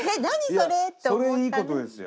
それいいことですよ